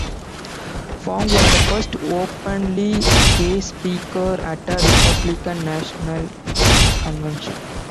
Fong was the first openly gay speaker at a Republican National Convention.